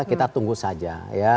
saya tunggu saja